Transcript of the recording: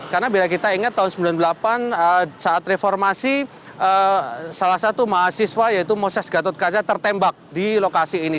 karena bila kita ingat tahun seribu sembilan ratus sembilan puluh delapan saat reformasi salah satu mahasiswa yaitu moses gatotkaca tertembak di lokasi ini